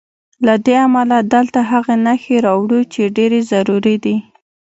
له دې امله دلته هغه نښې راوړو چې ډېرې ضروري دي.